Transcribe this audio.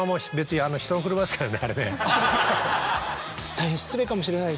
大変失礼かもしれない。